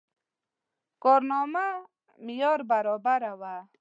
کارنامه معیار برابره وه.